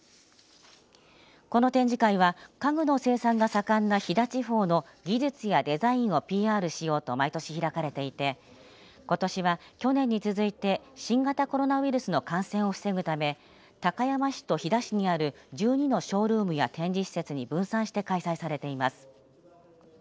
この展示会は家具の生産が盛んな飛騨地方の技術やデザインをＰＲしようと毎年開かれていてことしは去年に続いて新型コロナウイルスの感染を防ぐため高山市と飛騨市にある１２のショールームや展示施設に分散して開催されています。